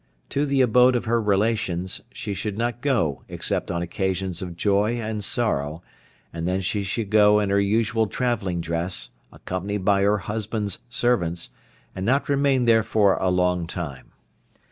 To the abode of her relations she should not go except on occasions of joy and sorrow, and then she should go in her usual travelling dress, accompanied by her husband's servants, and not remain there for a long time.